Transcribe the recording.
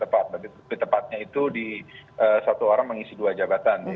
tapi lebih tepatnya itu satu orang mengisi dua jabatan